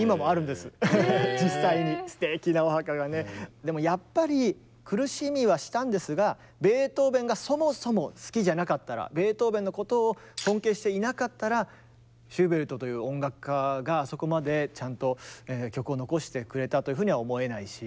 でもやっぱり苦しみはしたんですがベートーベンがそもそも好きじゃなかったらベートーベンのことを尊敬していなかったらシューベルトという音楽家がそこまでちゃんと曲を残してくれたというふうには思えないし。